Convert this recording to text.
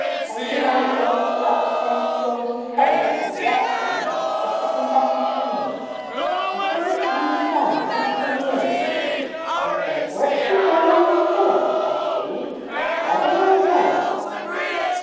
"Claning out all the upstairs drawers and cupboards, and dusting the second best chainey a thing that's only done once a year. 'If there's work to be done I must do it,' says she, 'wedding or no.'"